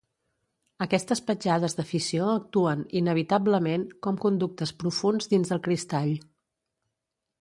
Aquestes petjades de fissió actuen, inevitablement, com conductes profunds dins el cristall.